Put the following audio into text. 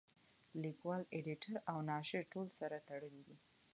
لیکوال اېډیټر او ناشر ټول سره تړلي دي.